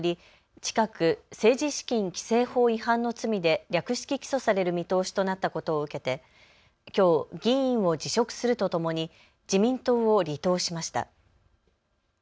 近く政治資金規正法違反の罪で略式起訴される見通しとなったことを受けてきょう議員を辞職するとともに自民党を離党しました。